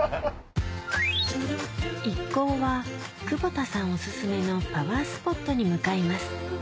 一行は久保田さんおすすめのパワースポットに向かいます